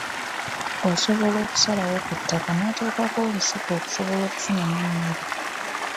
Osobola okusalawo ku ttaka n’oteekako olusuku okusobola okufunamu emmere.